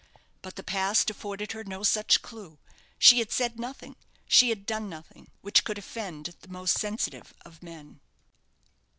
But the past afforded her no such clue. She had said nothing, she had done nothing, which could offend the most sensitive of men.